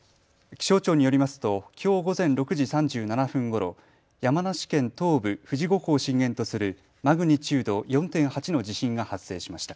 気象庁によりますときょう午前６時３７分ごろ、山梨県東部、富士五湖を震源とするマグニチュード４．８の地震が発生しました。